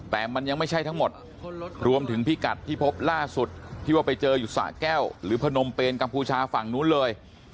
แต่มันยังไม่ใช่ทั้งหมดรวมถึงพิกัดที่พบล่าสุดที่ว่าไปเจออยู่สะแก้วหรือพนมเปนกัมพูชาฝั่งนู้นเลย